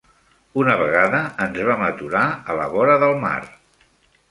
Una vegada ens vam aturar a la vora del mar.